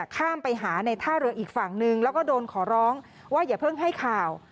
ข้ามไปหาในท่าเรืออีกฝั่งนึงแล้วก็โดนขอร้องว่าอย่าเพิ่งให้ข่าว